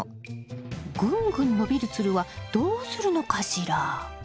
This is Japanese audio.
ぐんぐん伸びるつるはどうするのかしら？